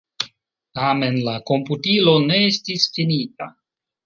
Tamen la komputilo ne estis finita.